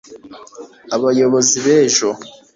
abayobozi b'ejo